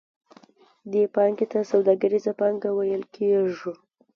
دې پانګې ته سوداګریزه پانګه ویل کېږي